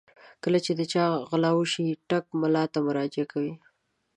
کله چې د چا غلا وشي ټګ ملا ته مراجعه کوي.